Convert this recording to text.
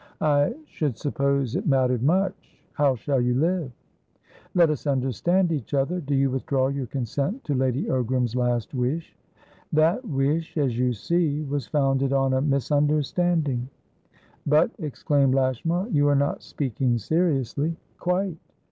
"I should suppose it mattered much. How shall you live?" "Let us understand each other. Do you withdraw your consent to Lady Ogram's last wish?" "That wish, as you see, was founded on a misunderstanding." "But," exclaimed Lashmar, "you are not speaking seriously?" "Quite.